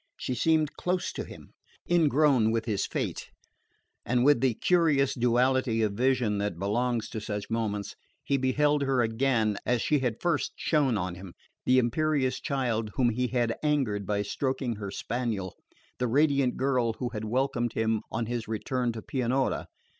She seemed close to him, ingrown with his fate; and with the curious duality of vision that belongs to such moments he beheld her again as she had first shone on him the imperious child whom he had angered by stroking her spaniel, the radiant girl who had welcomed him on his return to Pianura.